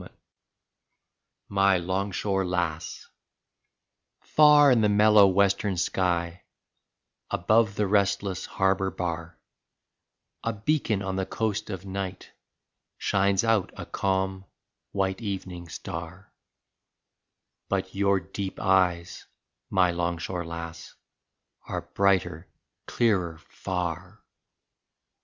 32 MY 'LONGSHORE LASS Far in the mellow western sky, Above the restless harbor bar, A beacon on the coast of night, Shines out a calm, white evening star; But your deep eyes, my 'longshore lass, Are brighter, clearer far.